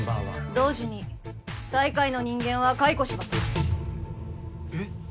同時に最下位の人間は解雇しますえっ